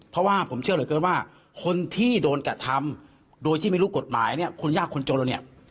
เพราะว่าผมเชื่อเหลือเกินว่าคนที่โดนกระทำโดยที่ไม่รู้กฎหมายเนี่ย